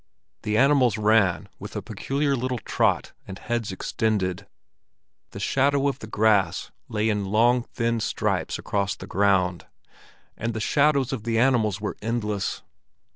The animals ran with a peculiar little trot and heads extended. The shadow of the grass lay in long thin stripes across the ground, and the shadows of the animals were endless.